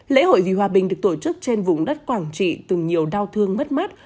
lễ hội vì hòa bình được tổ chức trên vùng đất quảng trị từ nhiều đau thương mất mát